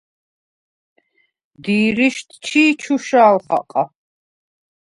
დი̄რიშდ ჩი̄ ჩუშა̄ლ ხაყა.